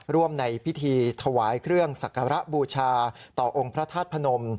ร่วมในพิธีถวายเครื่องสักการะบูชาต่อองค์พระธาตุพนม